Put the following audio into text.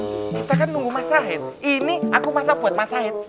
kita kan nunggu masahit ini aku masak buat masahit